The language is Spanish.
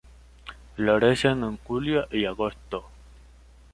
Florecen en julio y agosto.